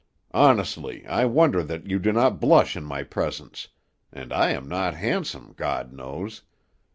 Honestly, I wonder that you do not blush in my presence; and I am not handsome, God knows.